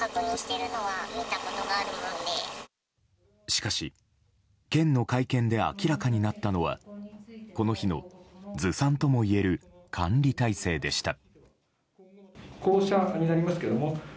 しかし、県の会見で明らかになったのはこの日の、ずさんともいえる管理体制でした。